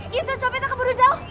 gitu sopi tak keburu jauh